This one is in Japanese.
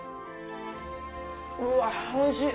うわおいしい！